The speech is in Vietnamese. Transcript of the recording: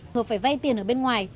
hoặc phải vay tiền ở bên ngoài